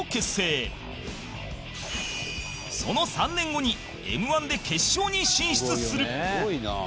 その３年後に Ｍ−１ で決勝に進出する